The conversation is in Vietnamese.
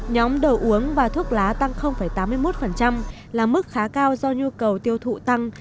nhóm đồ uống và thuốc lá tăng tám mươi một là mức khá cao do nhu cầu tiêu thụ tăng